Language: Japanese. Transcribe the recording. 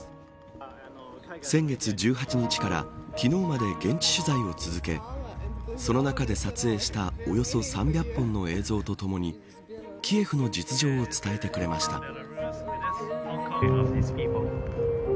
先月１８日から昨日まで現地取材を続けその中で撮影したおよそ３００本の映像とともにキエフの実情を伝えてくれました。